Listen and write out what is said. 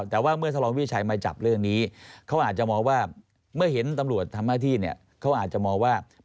แต่ว่าเมื่อท่านรองวิทยาชัยมาจับเรื่องนี้เขาอาจจะมองว่าเมื่อเห็นตำรวจทำหน้าที่เนี่ยเขาอาจจะมองว่า